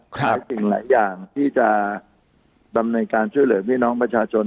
หลายสิ่งหลายอย่างที่จะดำเนินการช่วยเหลือพี่น้องประชาชน